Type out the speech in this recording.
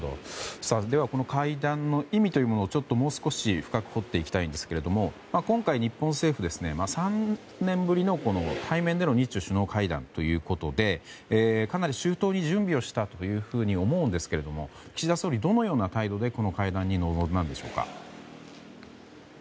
では、この会談の意味というものをもう少し深く掘っていきたいんですが今回、日本政府３年ぶりの対面での日中首脳会談ということでかなり周到に準備をしたと思うんですが岸田総理はどのような態度でこの会談に臨んだんでしょうか。